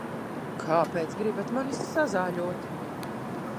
Kāpēc gribat mani sazāļot?